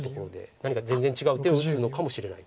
何か全然違う手を打つのかもしれない。